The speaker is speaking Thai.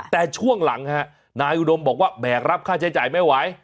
แต่ช่วงหลังฮะนายอุดมบอกว่าแบกรับค่าใช้จ่ายไม่ไหว